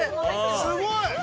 すごい。